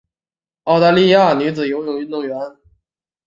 澳大利亚女子游泳运动员。